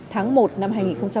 tháng một năm hai nghìn một mươi tám